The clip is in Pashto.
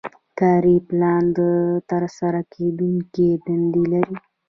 کاري پلان ترسره کیدونکې دندې لري.